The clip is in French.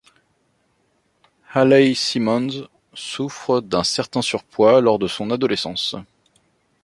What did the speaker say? Hayley Simmonds souffre d'un certain surpoids lors de son adolescence.